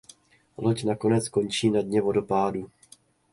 Loď nakonec končí na dně vodopádu.